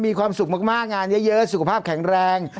มีความสุขมากงานเยอะสุขภาพแข็งแรง